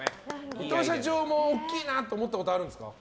伊藤社長も大きいなと思ったことあるんですか？